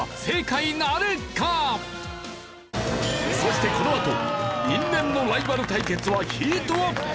そしてこのあと因縁のライバル対決はヒートアップ！